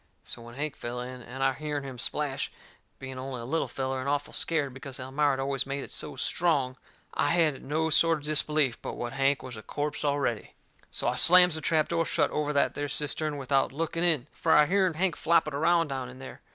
So when Hank fell in, and I hearn him splash, being only a little feller, and awful scared because Elmira had always made it so strong, I hadn't no sort of unbelief but what Hank was a corpse already. So I slams the trap door shut over that there cistern without looking in, fur I hearn Hank flopping around down in there.